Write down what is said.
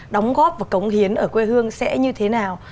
đóng góp và cống hiến ở quê hương sẽ như thế nào